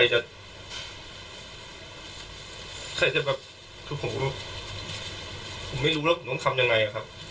ฉันไม่รู้ว่าผมต้องทำยังไงครับ